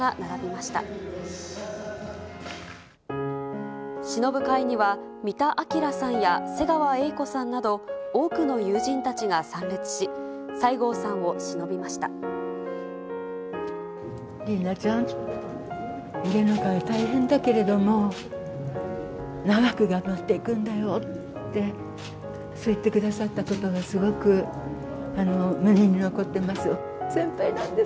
しのぶ会には、三田明さんや瀬川瑛子さんなど、多くの友人たちが参列し、西郷さリンダちゃん、芸能界は大変だけれども、長く頑張っていくんだよって、そう言ってくださったことが、すごく胸に残ってます。